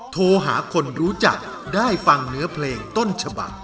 โทรหาคนรู้จักได้ฟังเนื้อเพลงต้นฉบัก